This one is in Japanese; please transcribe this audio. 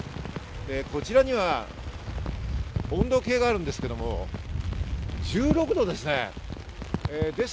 こちらには温度計があるんですけれども、１６度です。